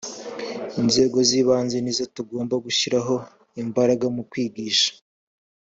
Inzego z’ibanze ni zo tugomba gushyiraho imbaraga mu kwigisha